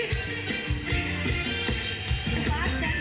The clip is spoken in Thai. สุภาษณ์แสงเซียล